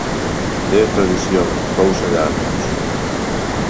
É tradición, cousa de anos.